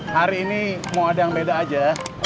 hari ini mau ada yang beda aja